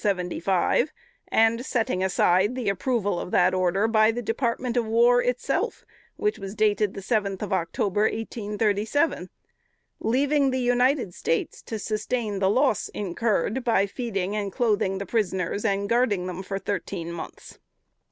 175, and setting aside the approval of that order by the Department of War itself which was dated the seventh of October, 1837 leaving the United States to sustain the loss incurred by feeding and clothing the prisoners, and guarding them for thirteen months.